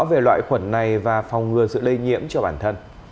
về loại khuẩn này và phòng ngừa sự lây nhiễm cho bản thân